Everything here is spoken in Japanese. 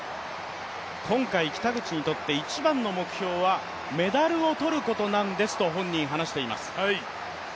今回北口にとって一番の目標はメダルを取ることなんですと本人話しています。